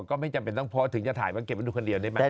ก็ไม่จำเป็นต้องเพราะถึงจะถ่ายมาเก็บไว้ดูคนเดียวได้ไหม